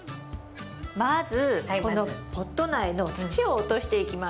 まずこのポット苗の土を落としていきます。